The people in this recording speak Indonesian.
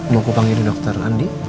mau aku panggilin dokter andi